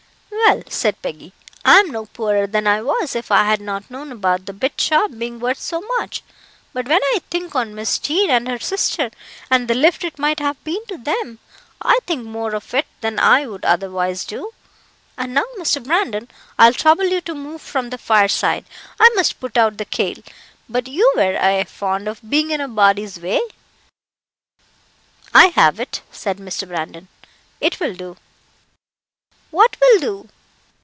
"Well," said Peggy, "I am no poorer than I was if I had not known about the bit shop being worth so much; but when I think on Miss Jean and her sister, and the lift it might have been to them, I think more of it than I would otherwise do. And now, Mr. Brandon, I'll trouble you to move from the fireside; I must put out the kail. But you were aye fond of being in a body's way." "I have it," said Mr. Brandon; "it will do." "What will do?"